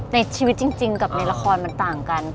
ในชีวิตจริงกับในละครมันต่างกัน